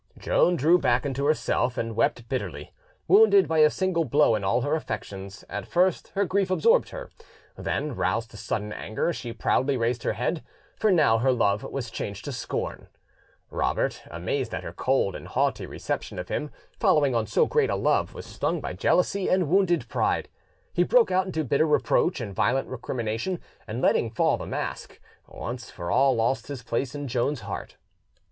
Joan drew back into herself, and wept bitterly. Wounded by a single blow in all her affections, at first her grief absorbed her; then, roused to sudden anger, she proudly raised her head, for now her love was changed to scorn. Robert, amazed at her cold and haughty reception of him, following on so great a love, was stung by jealousy and wounded pride. He broke out into bitter reproach and violent recrimination, and, letting fall the mask, once for all lost his place in Joan's heart.